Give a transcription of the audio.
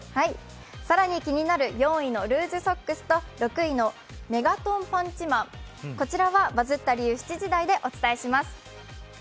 更に気になる４位のルーズソックスと６位のメガトンパンチマン、こちらはバズった理由、７時台にお伝えします。